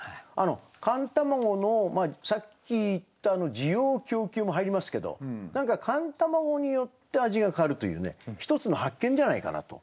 寒卵のさっき言った滋養供給も入りますけど何か寒卵によって味が変わるというね一つの発見じゃないかなと。